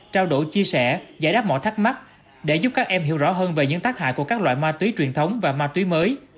trao đổi chia sẻ giải đáp mọi thắc mắc để giúp các em hiểu rõ hơn về những tác hại của các loại ma túy truyền thống và ma túy mới